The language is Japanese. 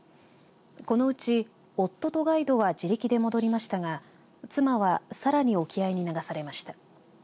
このうち、夫とガイドは自力で戻りましたが妻はさらに沖合に流されました。